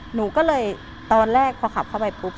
หนูก็เลยตอนแรกพอขับเข้าไปปุ๊บ